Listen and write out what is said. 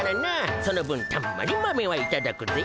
その分たんまり豆はいただくぜ。